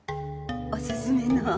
おすすめのを。